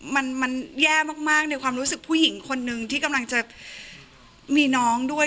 มันมันแย่มากในความรู้สึกผู้หญิงคนนึงที่กำลังจะมีน้องด้วย